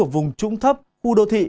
ở vùng trũng thấp u đô thị